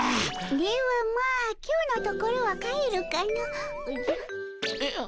ではまあ今日のところは帰るかの。おじゃ。え？